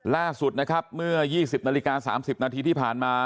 ล่าสุดนะครับเมื่อ๒๐นาฬิกา๓๐นาทีที่ผ่านมา